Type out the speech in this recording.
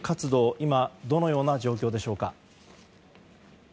今、どのような状況でしょうか。